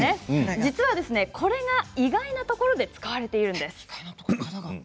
実は、これが意外なところで使われているんです。